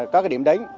các cái điểm đến